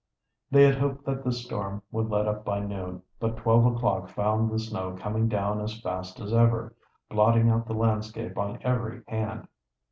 They had hoped that the storm would let up by noon, but twelve o'clock found the snow coming down as fast as ever, blotting out the landscape on every hand.